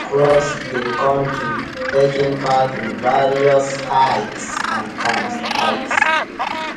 It takes its members across the country, taking part in various hikes and camps.